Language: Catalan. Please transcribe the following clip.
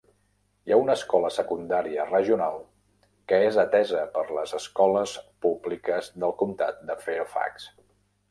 Hi ha una escola secundària regional, que és atesa per les Escoles Públiques del Comtat de Fairfax.